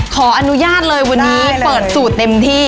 ขออนุญาตเลยวันนี้เปิดสูตรเต็มที่